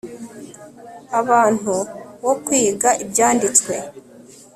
abantu wo kwiga Ibyanditswe